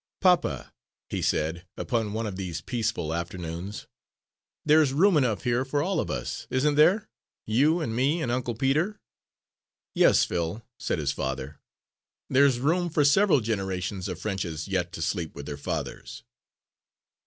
"Papa," he said, upon one of these peaceful afternoons, "there's room enough here for all of us, isn't there you, and me and Uncle Peter?" "Yes, Phil," said his father, "there's room for several generations of Frenches yet to sleep with their fathers."